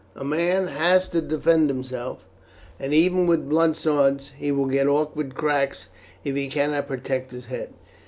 "A man has to defend himself, and even with blunt swords he will get awkward cracks if he cannot protect his head.